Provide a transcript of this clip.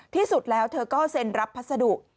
ที่สุดแล้วเธอก็เซ็นรับพัสดุ